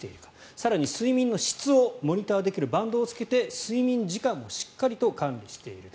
更に睡眠の質をモニターできるバンドを着けて睡眠時間もしっかり管理していると。